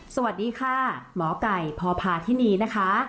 สวัสดีค่ะหมอไก่พพาธินีนะคะ